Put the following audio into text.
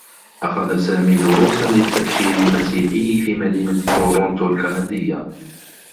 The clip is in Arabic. أخذ سامي دروسا للتّبشير المسيحي في مدينة تورونتو الكنديّة.